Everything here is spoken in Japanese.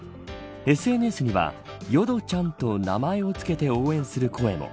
ＳＮＳには淀ちゃんと名前を付けて応援する声も。